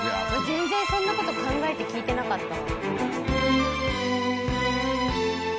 全然そんな事考えて聴いてなかったわ。